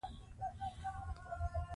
بل هغه سړی دی چې راځي.